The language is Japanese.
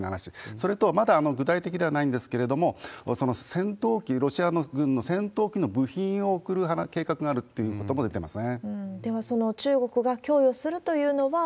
それと、まだ具体的ではないんですけれども、戦闘機、ロシア軍の戦闘機の部品を送る計画があるっていうことも出てます